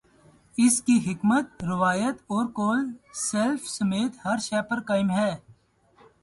اس کی حاکمیت، روایت اور قول سلف سمیت ہر شے پر قائم ہے۔